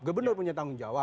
gubernur punya tanggung jawab